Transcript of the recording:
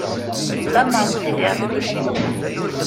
S lamer n sidi Rebbi.